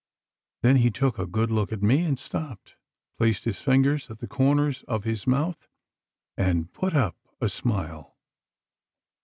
Then he took a good look at me and stopped, placed his fingers at the corners of his mouth and 'put up' a smile.